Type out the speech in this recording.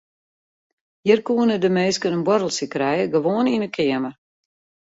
Hjir koenen de minsken in boarreltsje krije gewoan yn de keamer.